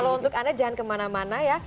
kalau untuk anda jangan kemana mana ya